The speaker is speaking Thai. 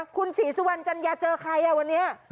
คุณศรีสุวรรณจัญญาเจอใครอ่ะวันนี้